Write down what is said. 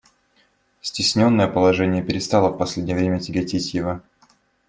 Cтесненное положение перестало в последнее время тяготить его.